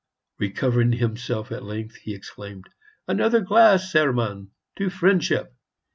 Recovering himself at length, he exclaimed, "Another glass, Hermann! To friendship!"